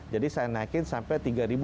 jadi saya naikin sampai tiga ribu enam ratus